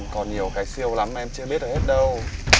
có nhiều cái siêu lắm mà em chưa biết ở hết đâu